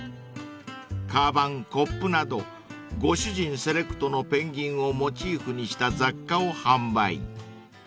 ［かばんコップなどご主人セレクトのペンギンをモチーフにした雑貨を販売］